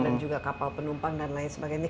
dan juga kapal penumpang dan lain sebagainya